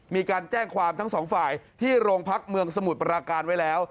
มีการแจ้งความทั้งสองฝ่ายที่โรงพักเมืองสมุทรปราการไว้แล้ว